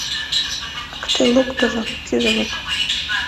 Ак, тый локтызо, кӱзылык!